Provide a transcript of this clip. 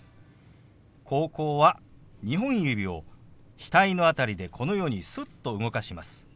「高校」は２本指を額の辺りでこのようにすっと動かします。